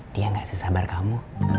dia gak sesabar kamu